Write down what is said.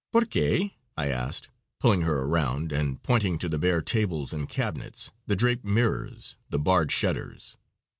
"Porque?" I asked, pulling her around, and pointing to the bare tables and cabinets, the draped mirrors, the barred shutters.